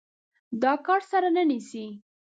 دا کار سر نه نيسي.